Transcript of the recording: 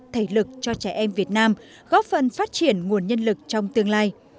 thể lực cho trẻ em việt nam góp phần phát triển nguồn nhân lực trong tương lai